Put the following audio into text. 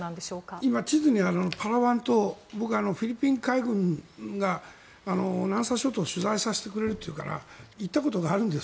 今、地図にパラワン島フィリピン海軍が南沙諸島を取材させてくれるっていうから行ったことがあるんです。